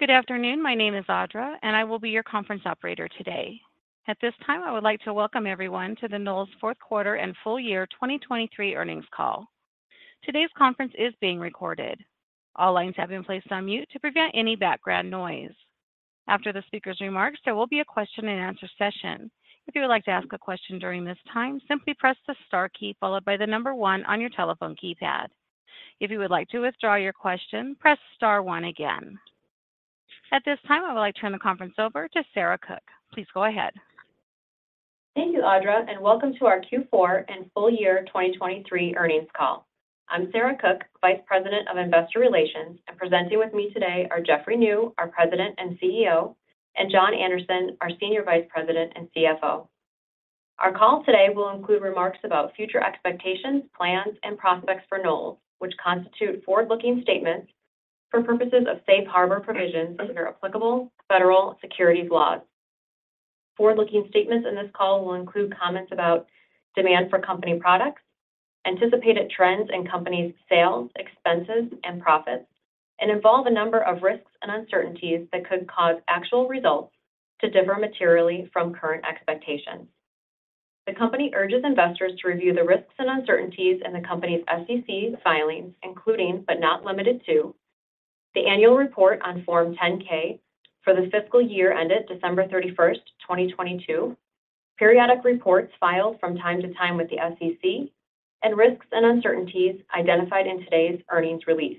Good afternoon. My name is Audra, and I will be your conference operator today. At this time, I would like to welcome everyone to the Knowles fourth quarter and full year 2023 earnings call. Today's conference is being recorded. All lines have been placed on mute to prevent any background noise. After the speaker's remarks, there will be a question and answer session. If you would like to ask a question during this time, simply press the star key followed by the number one on your telephone keypad. If you would like to withdraw your question, press star one again. At this time, I would like to turn the conference over to Sarah Cook. Please go ahead. Thank you, Audra, and welcome to our Q4 and full year 2023 earnings call. I'm Sarah Cook, Vice President of Investor Relations, and presenting with me today are Jeffrey Niew, our President and CEO, and John Anderson, our Senior Vice President and CFO. Our call today will include remarks about future expectations, plans, and prospects for Knowles, which constitute forward-looking statements for purposes of safe harbor provisions under applicable federal securities laws. Forward-looking statements in this call will include comments about demand for company products, anticipated trends in company's sales, expenses, and profits, and involve a number of risks and uncertainties that could cause actual results to differ materially from current expectations. The company urges investors to review the risks and uncertainties in the company's SEC filings, including, but not limited to, the annual report on Form 10-K for the fiscal year ended December 31st, 2022, periodic reports filed from time to time with the SEC, and risks and uncertainties identified in today's earnings release.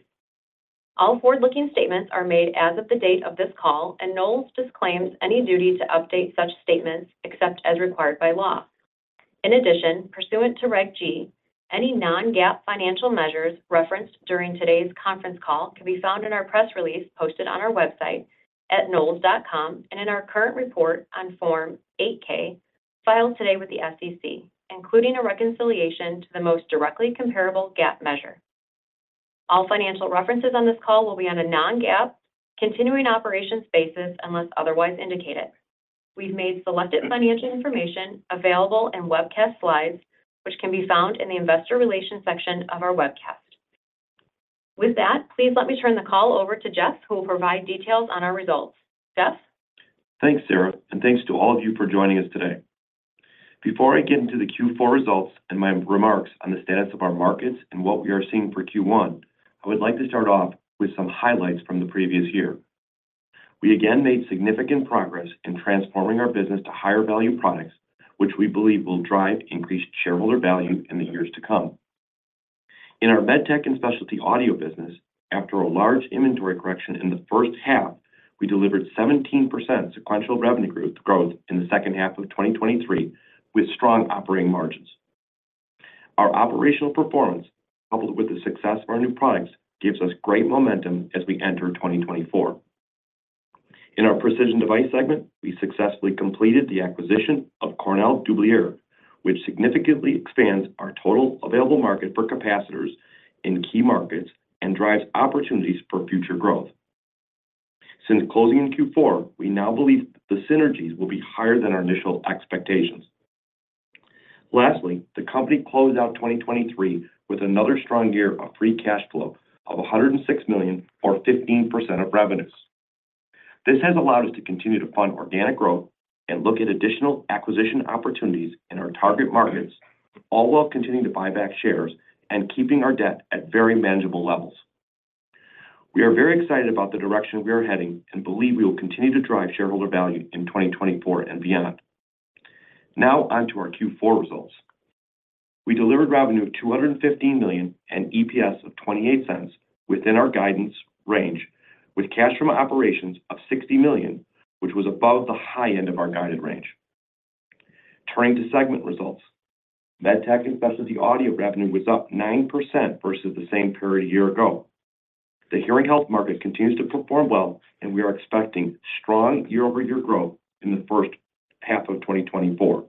All forward-looking statements are made as of the date of this call, and Knowles disclaims any duty to update such statements except as required by law. In addition, pursuant to Reg G, any non-GAAP financial measures referenced during today's conference call can be found in our press release posted on our website at knowles.com and in our current report on Form 8-K, filed today with the SEC, including a reconciliation to the most directly comparable GAAP measure. All financial references on this call will be on a non-GAAP, continuing operations basis unless otherwise indicated. We've made selected financial information available in webcast slides, which can be found in the investor relations section of our webcast. With that, please let me turn the call over to Jeff, who will provide details on our results. Jeff? Thanks, Sarah, and thanks to all of you for joining us today. Before I get into the Q4 results and my remarks on the status of our markets and what we are seeing for Q1, I would like to start off with some highlights from the previous year. We again made significant progress in transforming our business to higher value products, which we believe will drive increased shareholder value in the years to come. In our MedTech and Specialty Audio business, after a large inventory correction in the first half, we delivered 17% sequential revenue growth, growth in the second half of 2023, with strong operating margins. Our operational performance, coupled with the success of our new products, gives us great momentum as we enter 2024. In our Precision Devices segment, we successfully completed the acquisition of Cornell Dubilier, which significantly expands our total available market for capacitors in key markets and drives opportunities for future growth. Since closing in Q4, we now believe the synergies will be higher than our initial expectations. Lastly, the company closed out 2023 with another strong year of free cash flow of $106 million or 15% of revenues. This has allowed us to continue to fund organic growth and look at additional acquisition opportunities in our target markets, all while continuing to buy back shares and keeping our debt at very manageable levels. We are very excited about the direction we are heading and believe we will continue to drive shareholder value in 2024 and beyond. Now on to our Q4 results. We delivered revenue of $215 million and EPS of $0.28 within our guidance range, with cash from operations of $60 million, which was above the high end of our guided range. Turning to segment results, MedTech and Specialty Audio revenue was up 9% versus the same period a year ago. The hearing health market continues to perform well, and we are expecting strong year-over-year growth in the first half of 2024.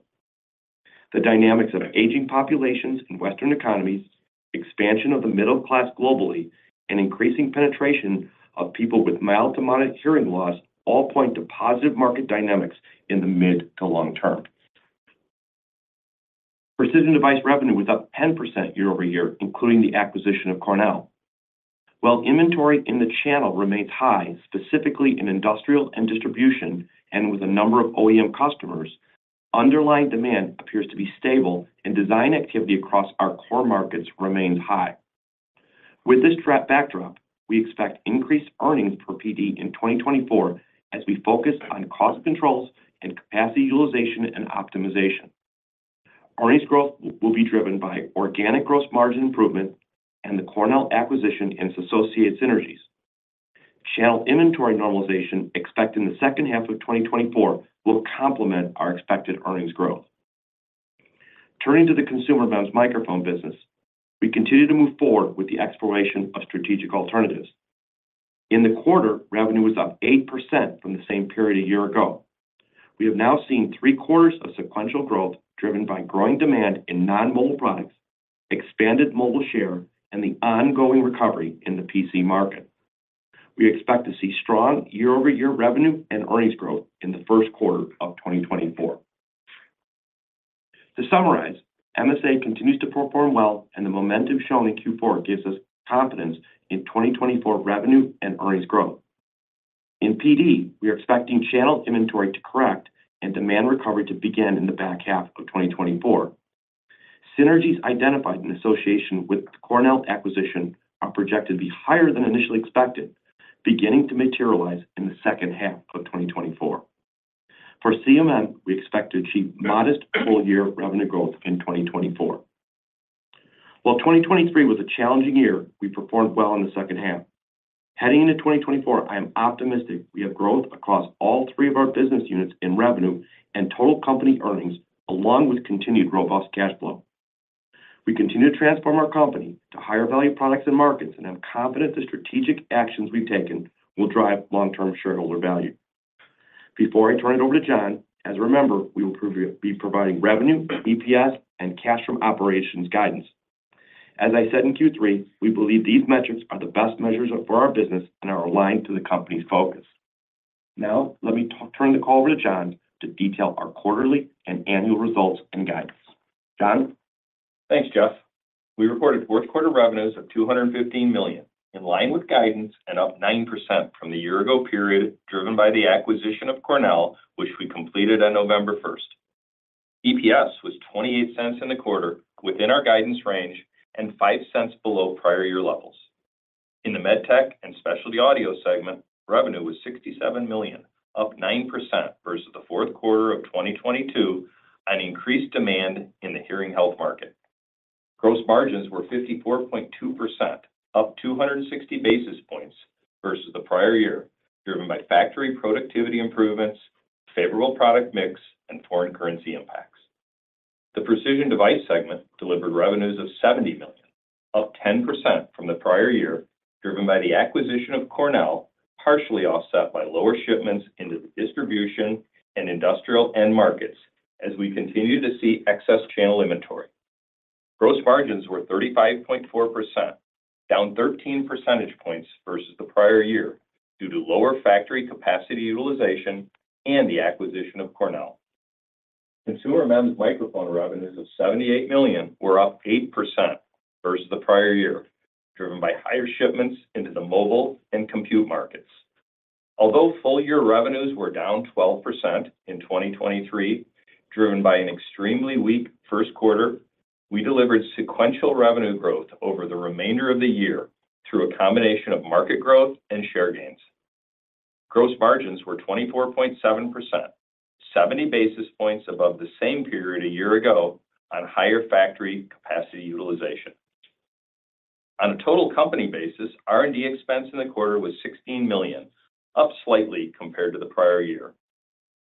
The dynamics of aging populations in Western economies, expansion of the middle class globally, and increasing penetration of people with mild to moderate hearing loss all point to positive market dynamics in the mid to long term. Precision Devices revenue was up 10% year-over-year, including the acquisition of Cornell. While inventory in the channel remains high, specifically in industrial and distribution, and with a number of OEM customers, underlying demand appears to be stable and design activity across our core markets remains high. With this backdrop, we expect increased earnings per PD in 2024 as we focus on cost controls and capacity utilization and optimization. Earnings growth will be driven by organic gross margin improvement and the Cornell acquisition and its associated synergies. Channel inventory normalization, expected in the second half of 2024, will complement our expected earnings growth. Turning to the Consumer MEMS Microphone business, we continue to move forward with the exploration of strategic alternatives. In the quarter, revenue was up 8% from the same period a year ago. We have now seen three quarters of sequential growth, driven by growing demand in non-mobile products, expanded mobile share, and the ongoing recovery in the PC market. We expect to see strong year-over-year revenue and earnings growth in the first quarter of 2024. To summarize, MSA continues to perform well, and the momentum shown in Q4 gives us confidence in 2024 revenue and earnings growth. In PD, we are expecting channel inventory to correct and demand recovery to begin in the back half of 2024. Synergies identified in association with the Cornell acquisition are projected to be higher than initially expected, beginning to materialize in the second half of 2024. For CMM, we expect to achieve modest full-year revenue growth in 2024. While 2023 was a challenging year, we performed well in the second half. Heading into 2024, I am optimistic we have growth across all three of our business units in revenue and total company earnings, along with continued robust cash flow. We continue to transform our company to higher-value products and markets and have confidence the strategic actions we've taken will drive long-term shareholder value. Before I turn it over to John, as a reminder, we will be providing revenue, EPS, and cash from operations guidance. As I said in Q3, we believe these metrics are the best measures of our business and are aligned to the company's focus. Now, let me turn the call over to John to detail our quarterly and annual results and guidance. John? Thanks, Jeff. We reported fourth quarter revenues of $215 million, in line with guidance and up 9% from the year-ago period, driven by the acquisition of Cornell, which we completed on November 1st. EPS was $0.28 in the quarter, within our guidance range, and $0.05 below prior-year levels. In the MedTech and Specialty Audio segment, revenue was $67 million, up 9% versus the fourth quarter of 2022 on increased demand in the hearing health market. Gross margins were 54.2%, up 260 basis points versus the prior year, driven by factory productivity improvements, favorable product mix, and foreign currency impacts. The Precision Devices segment delivered revenues of $70 million, up 10% from the prior year, driven by the acquisition of Cornell, partially offset by lower shipments into the distribution and industrial end markets as we continue to see excess channel inventory. Gross margins were 35.4%, down 13 percentage points versus the prior year due to lower factory capacity utilization and the acquisition of Cornell. Consumer MEMS Microphone revenues of $78 million were up 8% versus the prior year, driven by higher shipments into the mobile and compute markets. Although full year revenues were down 12% in 2023, driven by an extremely weak first quarter, we delivered sequential revenue growth over the remainder of the year through a combination of market growth and share gains. Gross margins were 24.7%, 70 basis points above the same period a year ago on higher factory capacity utilization. On a total company basis, R&D expense in the quarter was $16 million, up slightly compared to the prior year.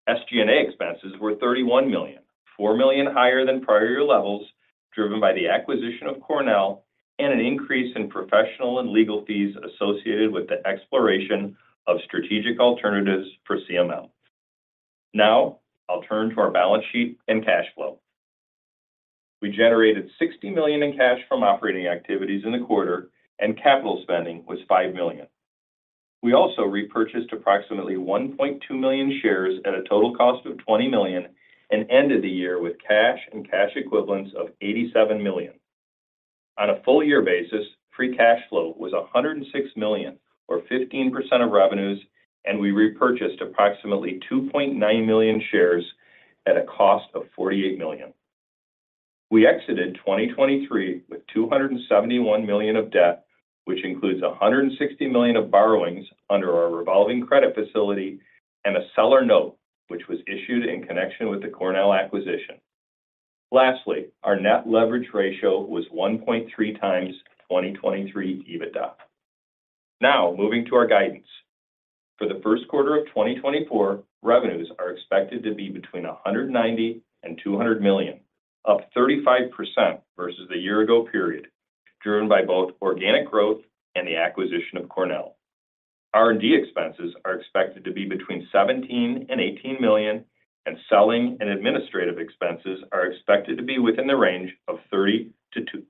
SG&A expenses were $31 million, $4 million higher than prior year levels, driven by the acquisition of Cornell and an increase in professional and legal fees associated with the exploration of strategic alternatives for CMM. Now, I'll turn to our balance sheet and cash flow. We generated $60 million in cash from operating activities in the quarter, and capital spending was $5 million. We also repurchased approximately 1.2 million shares at a total cost of $20 million and ended the year with cash and cash equivalents of $87 million. On a full year basis, free cash flow was $106 million, or 15% of revenues, and we repurchased approximately 2.9 million shares at a cost of $48 million. We exited 2023 with $271 million of debt, which includes $160 million of borrowings under our revolving credit facility and a seller note, which was issued in connection with the Cornell acquisition. Lastly, our net leverage ratio was 1.3x 2023 EBITDA. Now, moving to our guidance. For the first quarter of 2024, revenues are expected to be between $190 million and $200 million, up 35% versus the year ago period, driven by both organic growth and the acquisition of Cornell. R&D expenses are expected to be between $17 million and $18 million, and selling and administrative expenses are expected to be within the range of $30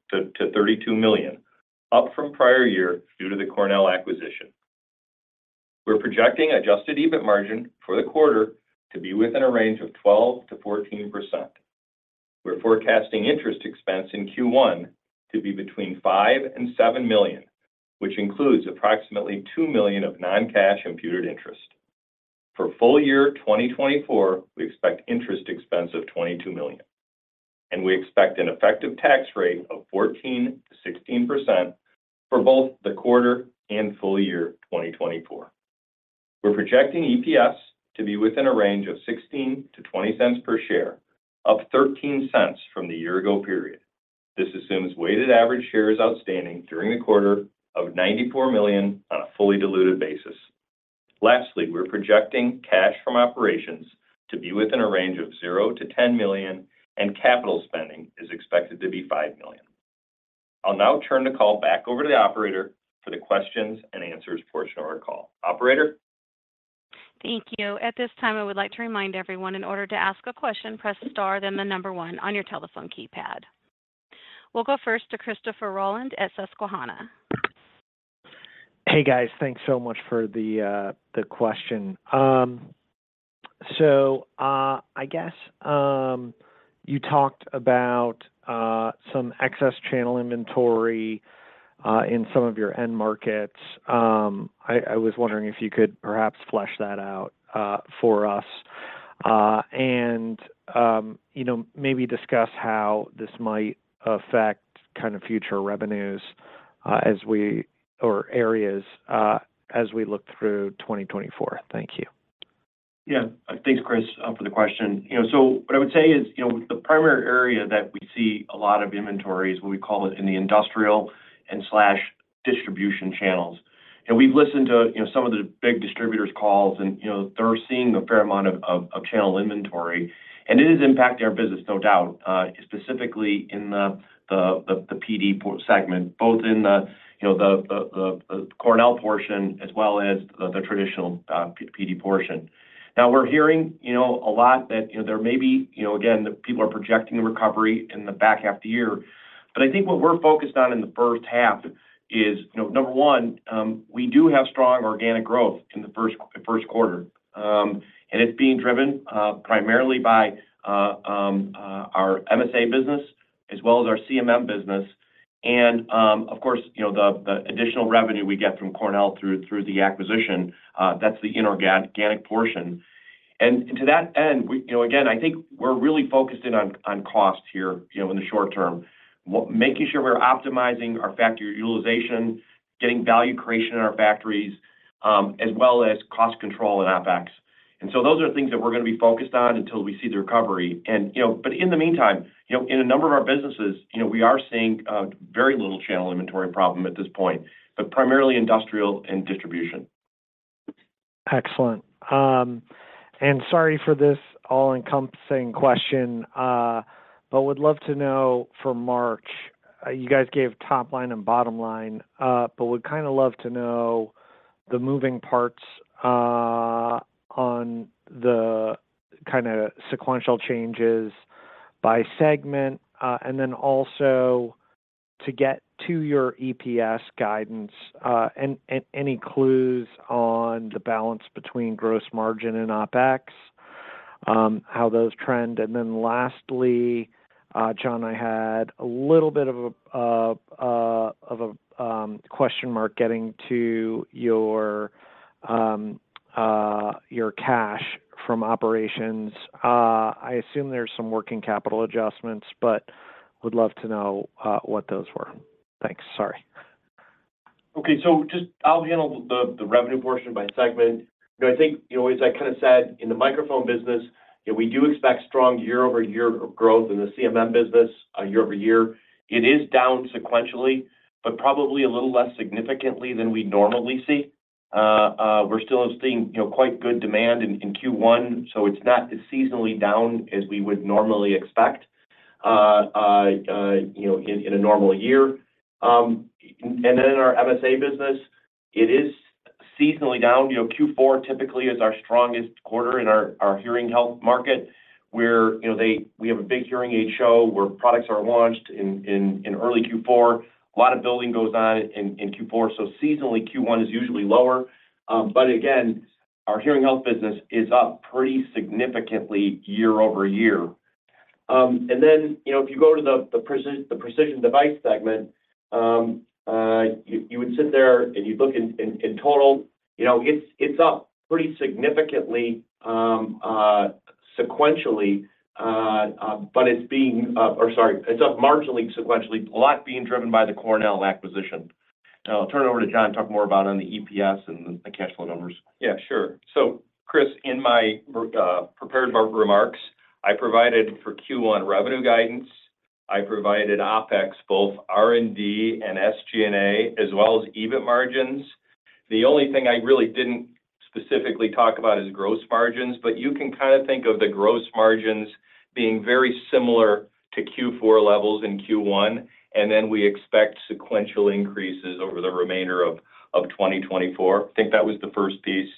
million-$32 million, up from prior year due to the Cornell acquisition. We're projecting adjusted EBIT margin for the quarter to be within a range of 12%-14%. We're forecasting interest expense in Q1 to be between $5 million and $7 million, which includes approximately $2 million of non-cash imputed interest. For full year 2024, we expect interest expense of $22 million, and we expect an effective tax rate of 14%-16% for both the quarter and full year 2024. We're projecting EPS to be within a range of $0.16-$0.20 per share, up $0.13 from the year ago period. This assumes weighted average shares outstanding during the quarter of 94 million on a fully diluted basis. Lastly, we're projecting cash from operations to be within a range of $0-$10 million, and capital spending is expected to be $5 million. I'll now turn the call back over to the operator for the questions and answers portion of our call. Operator? Thank you. At this time, I would like to remind everyone in order to ask a question, press star, then the number one on your telephone keypad. We'll go first to Christopher Rolland at Susquehanna. Hey, guys. Thanks so much for the question. So, I guess, you talked about some excess channel inventory in some of your end markets. I was wondering if you could perhaps flesh that out for us, and you know, maybe discuss how this might affect kind of future revenues, as we or areas, as we look through 2024. Thank you. Yeah. Thanks, Chris, for the question. You know, so what I would say is, you know, the primary area that we see a lot of inventory is what we call it in the industrial and slash distribution channels. And we've listened to, you know, some of the big distributors calls and, you know, they're seeing a fair amount of channel inventory, and it is impacting our business, no doubt, specifically in the PD core segment, both in the, you know, the Cornell portion, as well as the traditional PD portion. Now, we're hearing, you know, a lot that, you know, there may be, you know, again, the people are projecting a recovery in the back half of the year. I think what we're focused on in the first half is, you know, number one, we do have strong organic growth in the first quarter, and it's being driven primarily by our MSA business, as well as our CMM business. And, of course, you know, the additional revenue we get from Cornell through the acquisition, that's the inorganic portion. And to that end, you know, again, I think we're really focused in on costs here, you know, in the short term. Making sure we're optimizing our factory utilization, getting value creation in our factories, as well as cost control and OpEx. And so those are things that we're gonna be focused on until we see the recovery and, you know. But in the meantime, you know, in a number of our businesses, you know, we are seeing very little channel inventory problem at this point, but primarily industrial and distribution. Excellent. And sorry for this all-encompassing question, but would love to know for March, you guys gave top line and bottom line, but would kinda love to know the moving parts, on the kinda sequential changes by segment, and then also to get to your EPS guidance, and any clues on the balance between gross margin and OpEx, how those trend? And then lastly, John, I had a little bit of a question mark getting to your cash from operations. I assume there's some working capital adjustments, but would love to know what those were. Thanks. Sorry. Okay, so just I'll handle the revenue portion by segment. I think, you know, as I kinda said, in the microphone business, we do expect strong year-over-year growth in the CMM business year-over-year. It is down sequentially, but probably a little less significantly than we normally see. We're still seeing, you know, quite good demand in Q1, so it's not as seasonally down as we would normally expect, you know, in a normal year. And then in our MSA business, it is seasonally down. You know, Q4 typically is our strongest quarter in our hearing health market, where, you know, we have a big hearing aid show where products are launched in early Q4. A lot of building goes on in Q4, so seasonally, Q1 is usually lower. But again, our hearing health business is up pretty significantly year-over-year. And then, you know, if you go to the Precision Devices segment, you would sit there and you'd look in total, you know, it's up pretty significantly sequentially, but it's being—or sorry—it's up marginally sequentially, a lot being driven by the Cornell acquisition. And I'll turn it over to John to talk more about on the EPS and the cash flow numbers. Yeah, sure. So, Chris, in my prepared remarks, I provided for Q1 revenue guidance, I provided OpEx, both R&D and SG&A, as well as EBIT margins. The only thing I really didn't specifically talk about is gross margins, but you can kinda think of the gross margins being very similar to Q4 levels in Q1, and then we expect sequential increases over the remainder of 2024. I think that was the first piece.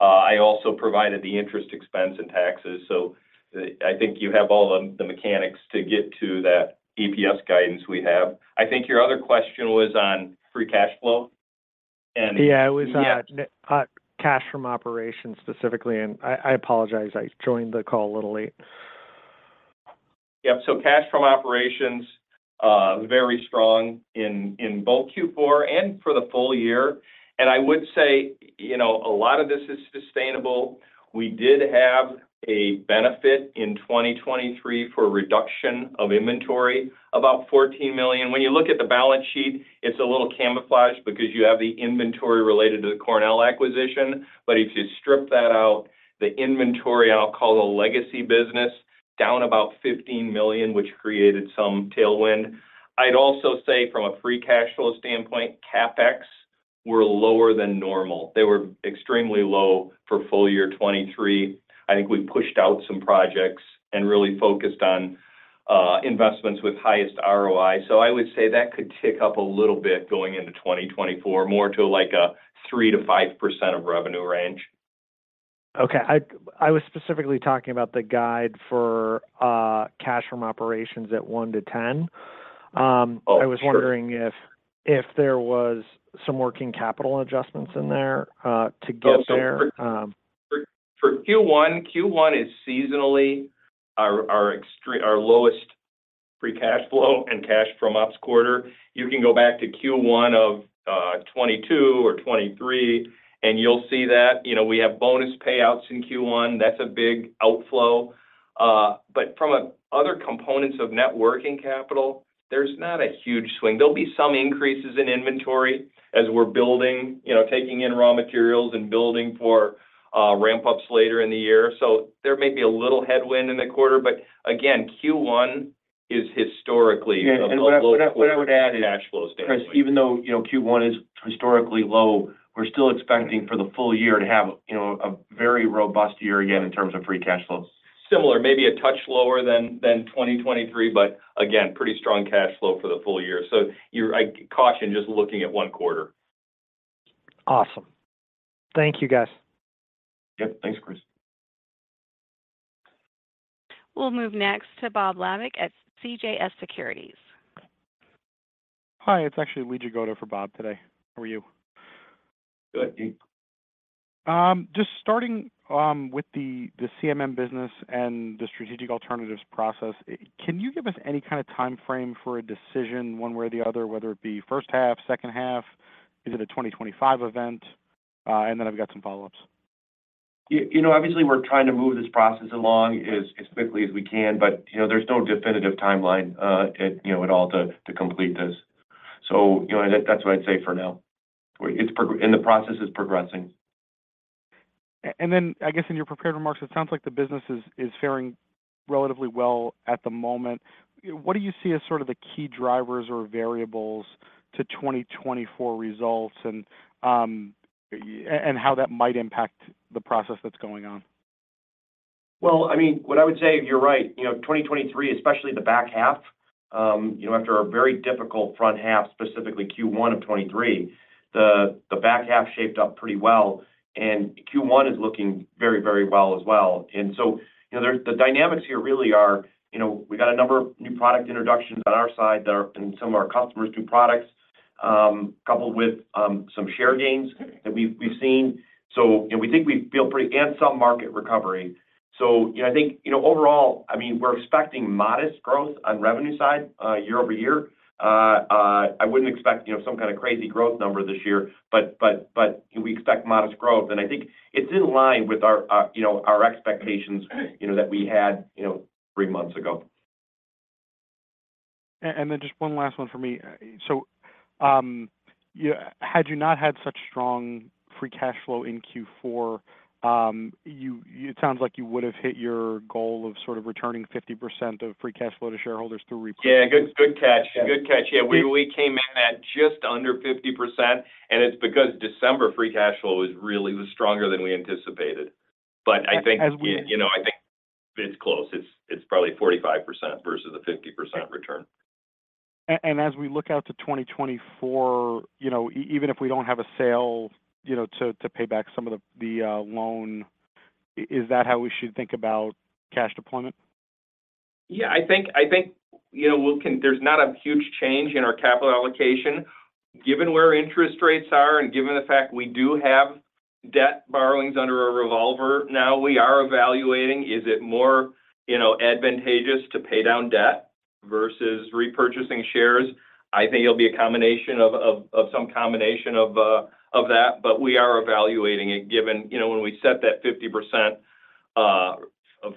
I also provided the interest expense and taxes, so I think you have all the mechanics to get to that EPS guidance we have. I think your other question was on free cash flow and- Yeah, it was. Yeah... cash from operations, specifically, and I, I apologize. I joined the call a little late. Yep. So cash from operations very strong in both Q4 and for the full year. And I would say, you know, a lot of this is sustainable. We did have a benefit in 2023 for reduction of inventory, about $14 million. When you look at the balance sheet, it's a little camouflaged because you have the inventory related to the Cornell acquisition, but if you strip that out, the inventory, and I'll call the legacy business, down about $15 million, which created some tailwind. I'd also say from a free cash flow standpoint, CapEx were lower than normal. They were extremely low for full year 2023. I think we pushed out some projects and really focused on investments with highest ROI. So I would say that could tick up a little bit going into 2024, more to a, like a 3%-5% of revenue range. Okay, I, I was specifically talking about the guide for cash from operations at $1-$10. Oh, sure. I was wondering if there was some working capital adjustments in there to get there? For Q1, Q1 is seasonally our extreme—our lowest free cash flow and cash from ops quarter. You can go back to Q1 of 2022 or 2023, and you'll see that. You know, we have bonus payouts in Q1. That's a big outflow. But from other components of net working capital, there's not a huge swing. There'll be some increases in inventory as we're building, you know, taking in raw materials and building for ramp-ups later in the year. So there may be a little headwind in the quarter, but again, Q1 is historically- Yeah, and what I would add is, Chris, even though, you know, Q1 is historically low, we're still expecting for the full year to have, you know, a very robust year again, in terms of free cash flows. Similar, maybe a touch lower than, than 2023, but again, pretty strong cash flow for the full year. So you're... I caution just looking at one quarter. Awesome. Thank you, guys. Yep. Thanks, Chris. We'll move next to Bob Labick at CJS Securities. Hi, it's actually Lee Jagoda for Bob today. How are you? Good, thank you. Just starting with the CMM business and the strategic alternatives process, can you give us any kind of time frame for a decision one way or the other, whether it be first half, second half? Is it a 2025 event? And then I've got some follow-ups. You know, obviously, we're trying to move this process along as quickly as we can, but, you know, there's no definitive timeline, you know, at all to complete this. So, you know, that's what I'd say for now. And the process is progressing. And then, I guess in your prepared remarks, it sounds like the business is faring relatively well at the moment. What do you see as sort of the key drivers or variables to 2024 results, and how that might impact the process that's going on? Well, I mean, what I would say, you're right, you know, 2023, especially the back half, you know, after a very difficult front half, specifically Q1 of 2023, the back half shaped up pretty well, and Q1 is looking very, very well as well. And so, you know, there's the dynamics here really are, you know, we got a number of new product introductions on our side that are in some of our customers' new products, coupled with, some share gains that we've seen. So, you know, we think we feel pretty and some market recovery. So, you know, I think, you know, overall, I mean, we're expecting modest growth on revenue side, year-over-year. I wouldn't expect, you know, some kind of crazy growth number this year, but we expect modest growth. I think it's in line with our, you know, our expectations, you know, that we had, you know, three months ago. And then just one last one for me. So, yeah, had you not had such strong free cash flow in Q4, it sounds like you would have hit your goal of sort of returning 50% of free cash flow to shareholders through repurchasing. Yeah, good catch. Good catch. Yeah, we, we came in at just under 50%, and it's because December free cash flow was really stronger than we anticipated. But I think- As we- You know, I think it's close. It's probably 45% versus a 50% return. And as we look out to 2024, you know, even if we don't have a sale, you know, to pay back some of the loan, is that how we should think about cash deployment? Yeah, I think, you know, we can—there's not a huge change in our capital allocation. Given where interest rates are and given the fact we do have debt borrowings under a revolver, now we are evaluating, is it more, you know, advantageous to pay down debt versus repurchasing shares? I think it'll be a combination of some combination of that, but we are evaluating it, given... You know, when we set that 50% of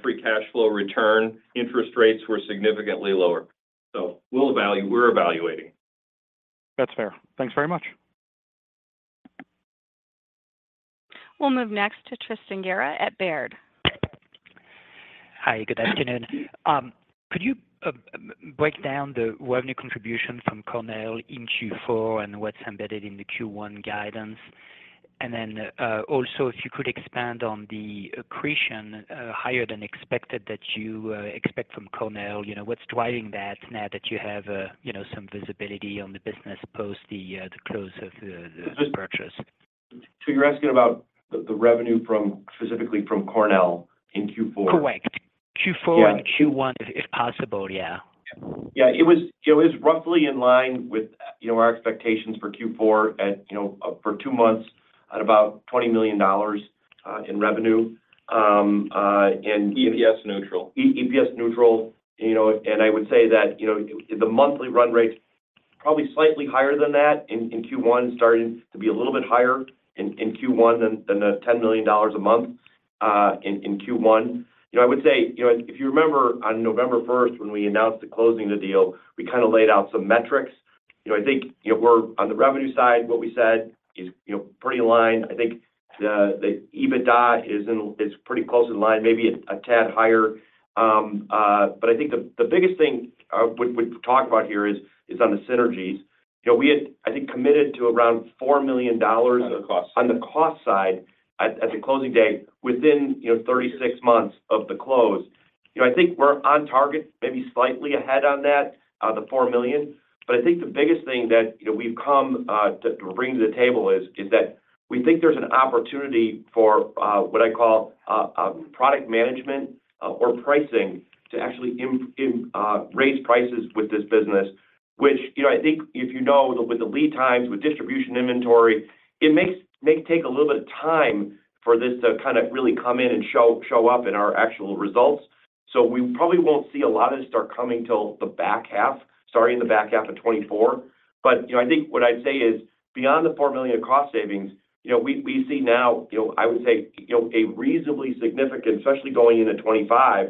free cash flow return, interest rates were significantly lower, so we're evaluating. That's fair. Thanks very much. We'll move next to Tristan Gerra at Baird. Hi, good afternoon. Could you break down the revenue contribution from Cornell in Q4 and what's embedded in the Q1 guidance? And then, also, if you could expand on the accretion, higher than expected that you expect from Cornell, you know, what's driving that now that you have, you know, some visibility on the business post the close of the purchase? So you're asking about the revenue from, specifically from Cornell in Q4? Correct. Q4- Yeah. and Q1, if possible, yeah. Yeah, it was, you know, it was roughly in line with, you know, our expectations for Q4 at, you know, for two months at about $20 million in revenue, and- EPS neutral. EPS neutral, you know, and I would say that, you know, the monthly run rate, probably slightly higher than that in Q1, starting to be a little bit higher in Q1 than the $10 million a month in Q1. You know, I would say, you know, if you remember on November 1st, when we announced the closing of the deal, we kinda laid out some metrics. You know, I think, you know, we're on the revenue side, what we said is, you know, pretty in line. I think the EBITDA is pretty close in line, maybe a tad higher. But I think the biggest thing we've talked about here is on the synergies. You know, we had, I think, committed to around $4 million- On the cost side. On the cost side, at the closing date, within, you know, 36 months of the close. You know, I think we're on target, maybe slightly ahead on that, the $4 million. But I think the biggest thing that, you know, we've come to bring to the table is that we think there's an opportunity for what I call product management or pricing to actually raise prices with this business. Which, you know, I think if you know, with the lead times, with distribution inventory, it may take a little bit of time for this to kind of really come in and show up in our actual results. So we probably won't see a lot of this start coming till the back half, starting in the back half of 2024. But, you know, I think what I'd say is, beyond the $4 million cost savings, you know, we see now, you know, I would say, you know, a reasonably significant, especially going into 2025,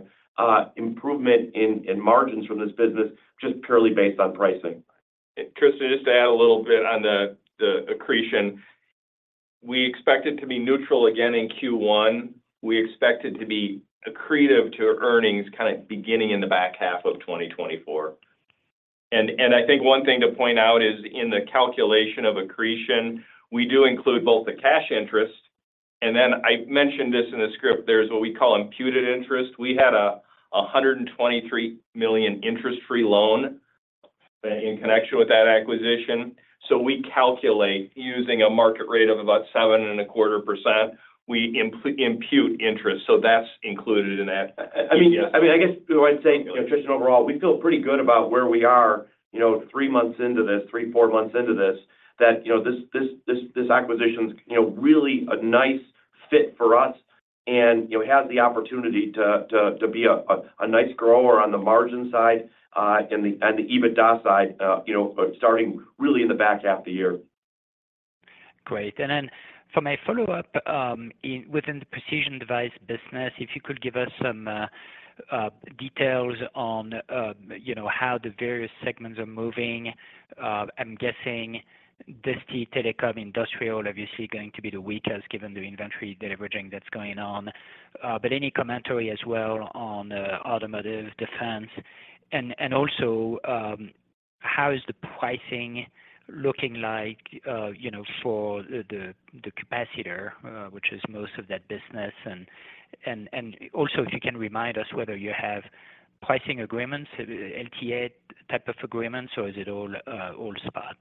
improvement in margins from this business, just purely based on pricing. Tristan, just to add a little bit on the accretion. We expect it to be neutral again in Q1. We expect it to be accretive to earnings kind of beginning in the back half of 2024. And I think one thing to point out is in the calculation of accretion, we do include both the cash interest, and then I mentioned this in the script, there's what we call imputed interest. We had a $123 million interest-free loan in connection with that acquisition. So we calculate using a market rate of about 7.25%. We impute interest, so that's included in that. I mean, I guess what I'd say, you know, Tristan, overall, we feel pretty good about where we are, you know, three months into this, three, four months into this. That, you know, this acquisition's, you know, really a nice fit for us, and, you know, has the opportunity to be a nice grower on the margin side, and the EBITDA side, you know, starting really in the back half of the year. Great. And then for my follow-up, within the Precision Devices business, if you could give us some details on, you know, how the various segments are moving. I'm guessing this telecom, industrial, obviously, going to be the weakest, given the inventory deleveraging that's going on. But any commentary as well on automotive, defense, and also how is the pricing looking like, you know, for the capacitor, which is most of that business? And also, if you can remind us whether you have pricing agreements, LTA type of agreements, or is it all spot?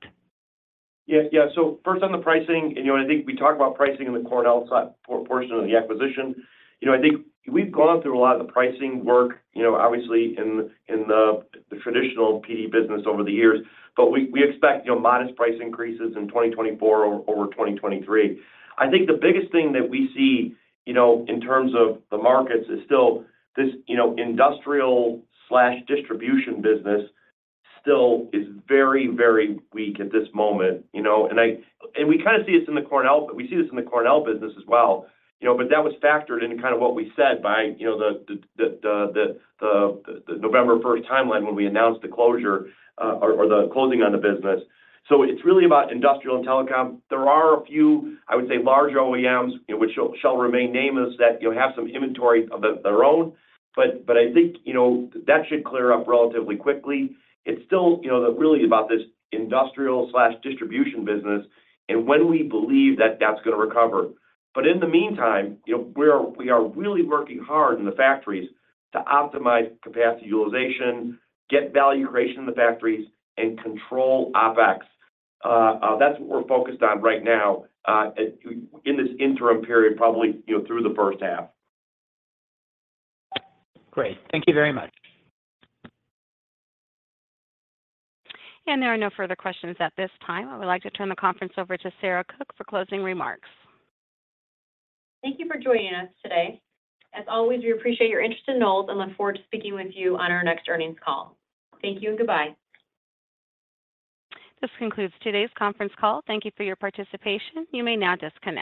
Yeah, yeah. So first on the pricing, and, you know, I think we talked about pricing in the Cornell side portion of the acquisition. You know, I think we've gone through a lot of the pricing work, you know, obviously in the traditional PD business over the years. But we expect, you know, modest price increases in 2024 over 2023. I think the biggest thing that we see, you know, in terms of the markets, is still this, you know, industrial/distribution business still is very, very weak at this moment, you know? And we kind of see this in the Cornell business as well. You know, but that was factored into kind of what we said by, you know, the November first timeline when we announced the closure, or the closing on the business. So it's really about industrial and telecom. There are a few, I would say, large OEMs, which shall remain nameless, that you'll have some inventory of their own, but I think, you know, that should clear up relatively quickly. It's still, you know, really about this industrial/distribution business and when we believe that that's gonna recover. But in the meantime, you know, we are really working hard in the factories to optimize capacity utilization, get value creation in the factories, and control OpEx. That's what we're focused on right now in this interim period, probably, you know, through the first half. Great. Thank you very much. There are no further questions at this time. I would like to turn the conference over to Sarah Cook for closing remarks. Thank you for joining us today. As always, we appreciate your interest in Knowles and look forward to speaking with you on our next earnings call. Thank you and goodbye. This concludes today's conference call. Thank you for your participation. You may now disconnect.